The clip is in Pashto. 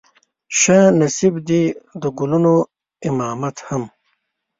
شه نصيب دې د ګلونو امامت هم